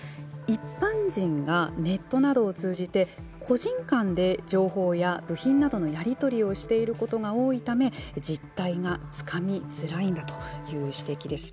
一般人がネットなどを通じて個人間で情報や部品などのやり取りをしていることが多いため実態がつかみづらいんだという指摘です。